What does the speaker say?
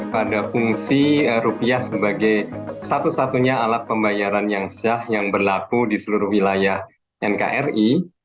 pada fungsi rupiah sebagai satu satunya alat pembayaran yang sah yang berlaku di seluruh wilayah nkri